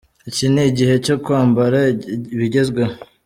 “Iki ni igihe cyo kwambara ibigezweho.